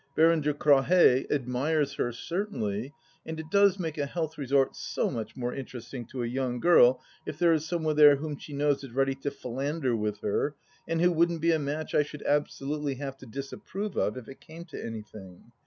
Baron de Crawhez admires her, certainly, and it does make a health resort so much more interesting to a young girl if there is some one there whom she knows is ready to philander with her and who wouldn't be a match I should absolutely have to disapprove of if it came to anything.